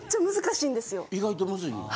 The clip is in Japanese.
意外とムズいんや。